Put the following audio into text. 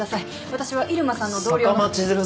私は入間さんの同僚の。